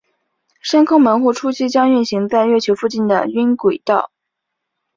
深空门户初期将运行在月球附近的晕轨道。